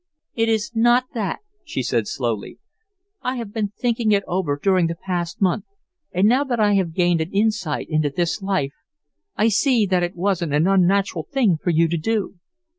"It is not that," she said, slowly. "I have been thinking it over during the past month, and now that I have gained an insight into this life I see that it wasn't an unnatural thing for you to do.